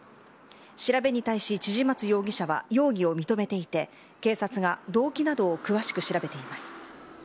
調べに対し、千々松容疑者は容疑を認めていて、警察が動機などを詳しく調べています。